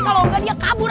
kalau engga dia kabur aduh